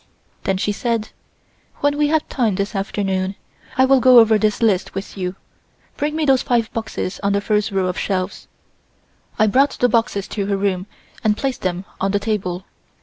Then she said: "When we have time this afternoon, I will go over this list with you. Bring me those five boxes on the first row of shelves." I brought the boxes to her room and placed them on the table.